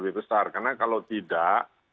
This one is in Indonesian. lebih besar karena kalau tidak